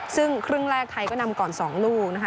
ซึ่งครึ่งแรกไทยก็นำก่อน๒ลูกนะคะ